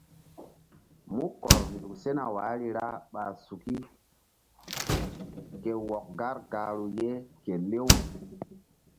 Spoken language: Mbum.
Mu kɔr nzuk sena wahri ra ɓa suki ke wɔk gar gahru ye ke lew.